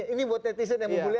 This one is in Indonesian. ini buat netizen yang mumpuni